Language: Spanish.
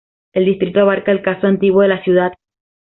El distrito abarca el casco antiguo de la ciudad.